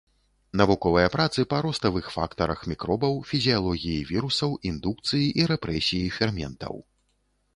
Навуковыя працы па роставых фактарах мікробаў, фізіялогіі вірусаў, індукцыі і рэпрэсіі ферментаў.